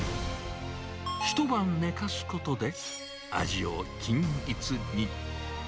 一晩寝かすことで、味を均一に。